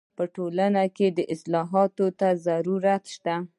په ټولنه کي اصلاحاتو ته ضرورت سته.